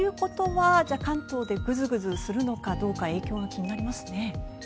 ということは関東でぐずぐずするのか影響が気になりますね。